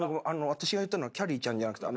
私が言ったのはきゃりーちゃんじゃなくて。